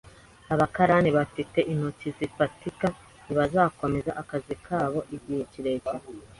Abakarani bafite intoki zifatika ntibazakomeza akazi kabo igihe kirekire